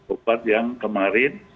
obat yang kemarin